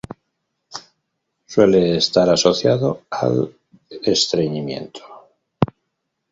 Suele estar asociado al estreñimiento.